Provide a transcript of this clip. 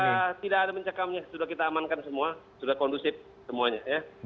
ya tidak ada mencekamnya sudah kita amankan semua sudah kondusif semuanya ya